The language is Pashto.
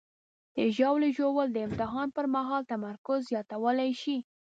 د ژاولې ژوول د امتحان پر مهال تمرکز زیاتولی شي.